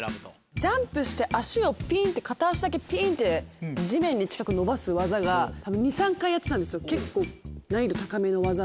ジャンプして足をピンって片足だけピンって地面に近く伸ばす技が２３回やってたんですよ結構。